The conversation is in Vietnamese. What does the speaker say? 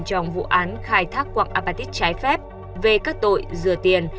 trong vụ án khai thác quạng apatit trái phép về các tội rửa tiền